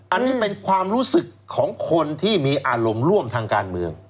อันนี้เป็นความรู้สึกของคนที่มีอารมณ์ร่วมทางการเมือง